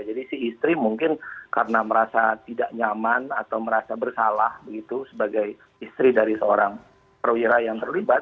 jadi si istri mungkin karena merasa tidak nyaman atau merasa bersalah begitu sebagai istri dari seorang perwira yang terlibat